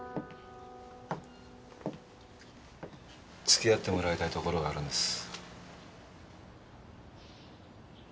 付き合ってもらいたいところがあるんです。